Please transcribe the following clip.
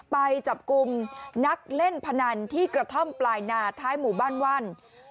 ไปจับกลุ่มนักเล่นพนันที่กระท่อมปลายนาท้ายหมู่บ้านว่าน